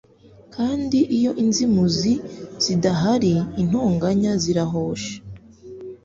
kandi iyo inzimuzi zidahari intonganya zirahosha